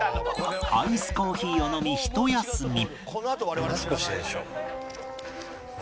アイスコーヒーを飲みひと休み